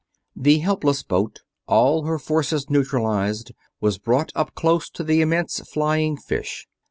The helpless boat, all her forces neutralized, was brought up close to the immense flying fish.